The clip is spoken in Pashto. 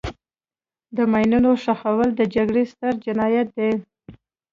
د ماینونو ښخول د جګړې ستر جنایت دی.